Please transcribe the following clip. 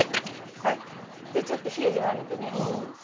ちょっと火を弱めてね。